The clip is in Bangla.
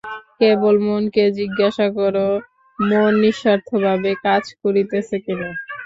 কেবল মনকে জিজ্ঞাসা কর, মন নিঃস্বার্থভাবে কাজ করিতেছে কিনা।